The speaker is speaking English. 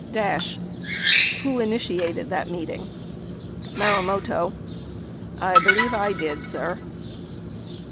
Dash. Who initiated the meeting ? Marumoto. I believe I did, sir.